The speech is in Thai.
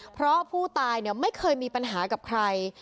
เพราะผู้ตายไม่เคยมีปัญหากับใคร